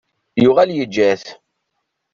Yuɣal yejja-t.